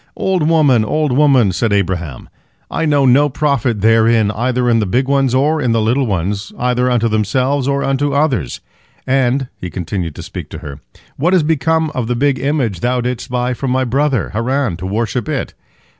"Old woman, old woman," said Abraham, "I know no profit therein, either in the big ones or in the little ones, either unto themselves or unto others. And," he continued to speak to her, "what has become of the big image thou didst buy from my brother Haran, to worship it?"